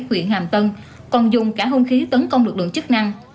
huyện hàm tân còn dùng cả hôn khí tấn công lực lượng chức năng